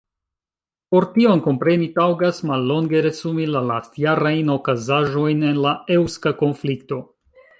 Por tion kompreni, taŭgas mallonge resumi la lastjarajn okazaĵojn en la eŭska konflikto.